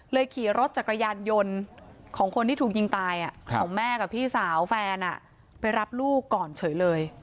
ขี่รถจักรยานยนต์ของคนที่ถูกยิงตายของแม่กับพี่สาวแฟนไปรับลูกก่อนเฉยเลย